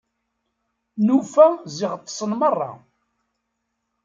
Nufa ziɣ ṭṭsen merra.